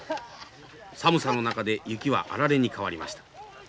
寒さの中で雪はあられに変わりました。